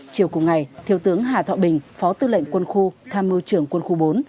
chiều cùng ngày thiếu tướng hà thọ bình phó tư lệnh quân khu tham mưu trưởng quân khu bốn